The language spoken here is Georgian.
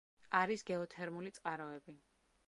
არის გეოთერმული წყაროები.